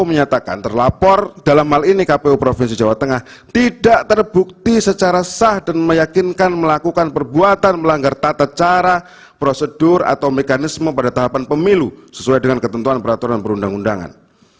menyatakan terlapor dalam hal ini kpu provinsi jawa tengah tidak terbukti secara sah dan meyakinkan melakukan perbuatan melanggar tata cara prosedur atau mekanisme pada tahapan pemilu sesuai dengan ketentuan peraturan perundang undangan